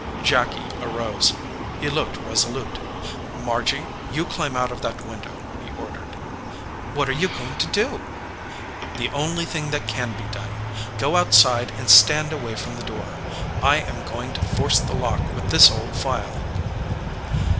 Jacky arose. He looked resolute. "Margy, you climb out of that window," he ordered. "What are you going to do ?" "The only thing that can be done. Go outside, and stand away from the door. I am going to force the lock with this old file."